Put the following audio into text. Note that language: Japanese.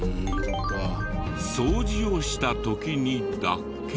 掃除をした時にだけ。